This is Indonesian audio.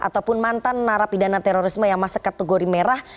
ataupun mantan narapidana terorisme yang masuk kategori merah